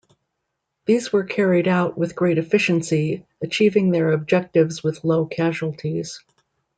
These were carried out with great efficiency, achieving their objectives with low casualties.